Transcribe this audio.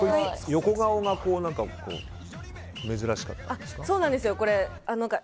横顔が珍しかったんですか？